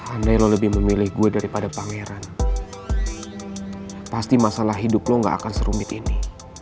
andai lo lebih memilih gue daripada pangeran pasti masalah hidup lo gak akan serumit ini